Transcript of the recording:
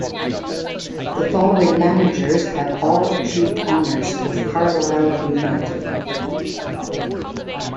The following managers have all achieved honours with Carlisle United.